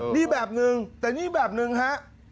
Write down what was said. นี่แบบนึงแต่นี่แบบหนึ่งฮะ